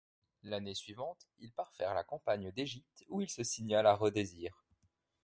L'année suivante, il part faire la campagne d'Égypte, où il se signale à Redesir.